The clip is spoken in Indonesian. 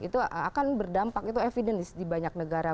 itu akan berdampak itu evidence di banyak negara